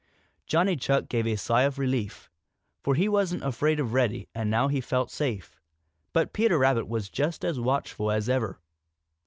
Johnny Chuck gave a sigh of relief, for he wasn't afraid of Reddy and now he felt safe. But Peter Rabbit was just as watchful as ever.